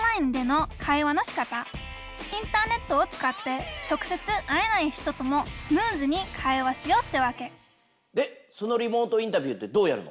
インターネットを使って直接会えない人ともスムーズに会話しようってわけでそのリモートインタビューってどうやるの？